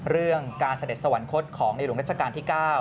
เรื่องการเสด็จสวรรคตของในหลวงรัชกาลที่๙